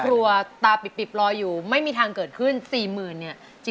ครอบครัวตาปิบรออยู่ไม่มีทางเกิดขึ้น๔๐๐๐๐บาท